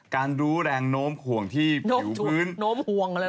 รู้แรงโน้มห่วงที่ผิวพื้นโน้มห่วงเลย